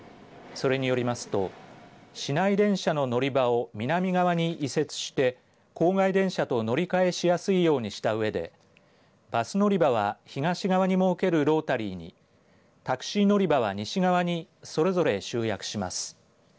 それによりますと市内電車の乗り場を南側に移設して郊外電車と乗り換えしやすいようにしたうえでバス乗り場は東側に設けるロータリーにタクシー乗り場は、西側にそれぞれ集約します。